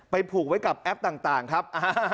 ผูกไว้กับแอปต่างครับ